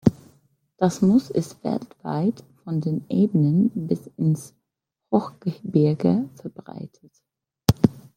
Das Moos ist weltweit von den Ebenen bis ins Hochgebirge verbreitet.